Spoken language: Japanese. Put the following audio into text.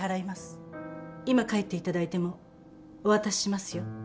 今帰っていただいてもお渡ししますよ。